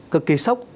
cực kỳ sốc